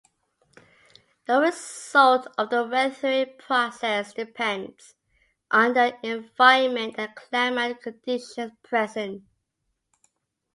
The result of the weathering process depends on the environment and climate conditions present.